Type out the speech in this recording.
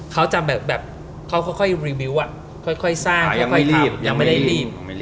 เขาจะแบบเขาค่อยรีวิวค่อยสร้างค่อยรีบยังไม่ได้รีบ